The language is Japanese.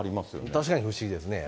確かに不思議ですね。